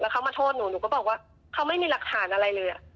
เขามาโทษหนูหนูก็บอกว่าเขาไม่มีหลักฐานอะไรเลย